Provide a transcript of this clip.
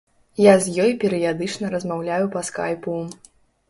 Я з ёй перыядычна размаўляю па скайпу.